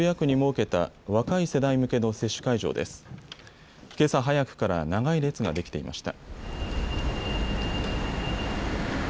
けさ早くから長い列ができていました。